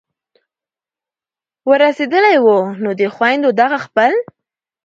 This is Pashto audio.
ور رسېدلي وو نو دې خویندو دغه خپل